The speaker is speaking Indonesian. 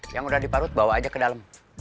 yang udah diparut bawa aja ke dalam